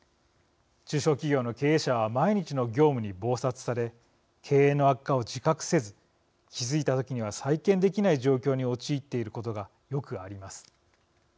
中小企業の経営者は毎日の業務に忙殺され経営の悪化を自覚せず気付いた時には再建できない状況に陥っていることがよくあります。